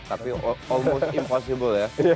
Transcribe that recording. tapi hampir tidak mungkin ya